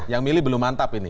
yang milih belum mantap ini